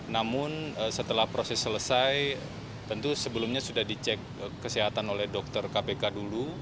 namun setelah proses selesai tentu sebelumnya sudah dicek kesehatan oleh dokter kpk dulu